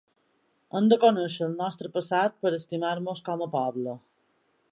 Hem de conèixer el nostre passat per estimar-nos com a poble.